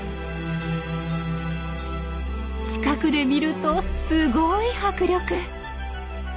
近くで見るとすごい迫力！